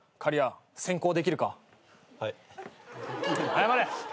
謝れ。